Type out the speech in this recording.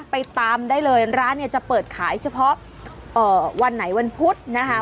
ไปตามได้เลยร้านเนี่ยจะเปิดขายเฉพาะวันไหนวันพุธนะคะ